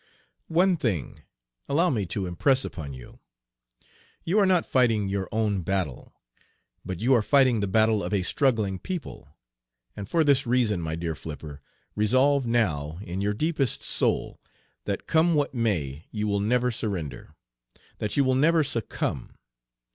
One thing, allow me to impress upon you: you are not fighting your own battle, but you are fighting the battle of a struggling people; and for this reason, my dear Flipper, resolve now in your deepest soul that come what may you will never surrender; that you will never succumb.